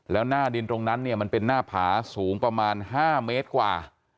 แล้วหน้าดินตรงนั้นเนี่ยมันเป็นหน้าผาสูงประมาณ๕เมตรกว่า